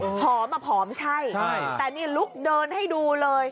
ผอมอ่ะผอมใช่แต่นี่ลุกเดินให้ดูเลย